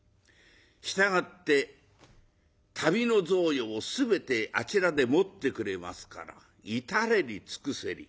従って旅の雑用を全てあちらでもってくれますから至れり尽くせり。